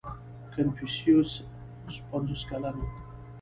• کنفوسیوس اوس پنځوس کلن و.